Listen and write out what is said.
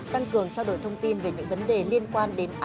tăng cường trao đổi thông tin về những vấn đề liên quan đến bộ công an